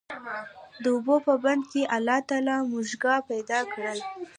د اوبو په بند کي الله تعالی موږکان پيدا کړل،